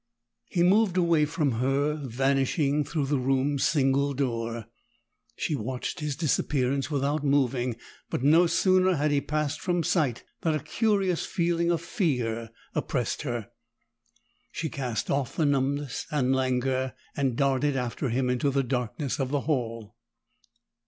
He moved away from her, vanishing through the room's single door. She watched his disappearance without moving, but no sooner had he passed from sight than a curious feeling of fear oppressed her. She cast off the numbness and languor, and darted after him into the darkness of the hall.